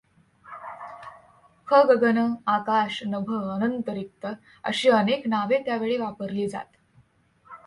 ख गगन आकाश नभ अनंत रिक्त अशी अनेक नावे त्यावेळी वापरली जात.